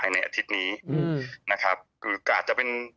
ในอาทิตย์นี้อาจจะเป็น